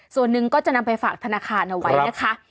ส่วนหนึ่งก็จะนำไปฝากธนาคารเอาไว้นะคะ